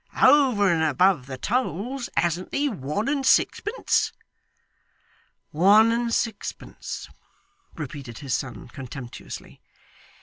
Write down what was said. Over and above the tolls, hasn't he one and sixpence?' 'One and sixpence!' repeated his son contemptuously.